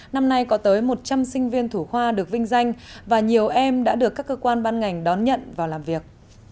năm nay có tới một trăm linh sinh viên thủ khoa được vinh danh và nhiều em đã được các cơ quan ban ngành đón nhận vào làm việc